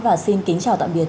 và xin kính chào tạm biệt